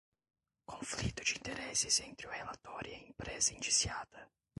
Conflito de interesses entre o relator e a empresa indiciada